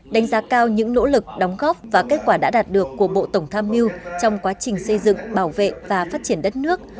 đánh giá cao những nỗ lực đóng góp và kết quả đã đạt được của bộ tổng tham mưu trong quá trình xây dựng bảo vệ và phát triển đất nước